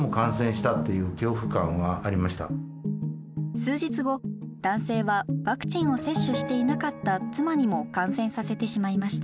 数日後男性はワクチンを接種していなかった妻にも感染させてしまいました。